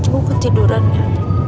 gue keciduran ya